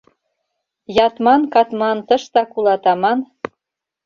Ятман-катман тыштак улат аман...